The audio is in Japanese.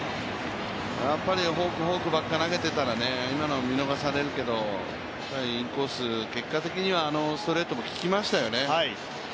やっぱりフォーク、フォークばっかり投げていたら、今のは見逃されるけどインコース、結果的にはあのストレートも効きましたよね。